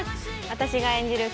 私が演じる